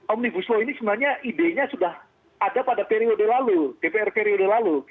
omnibus law ini sebenarnya idenya sudah ada pada periode lalu dpr periode lalu